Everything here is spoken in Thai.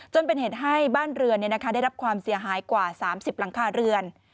จนเป็นเหตุให้บ้านเรือนได้รับความเสียหายกว่า๓๐หลังคาเรือน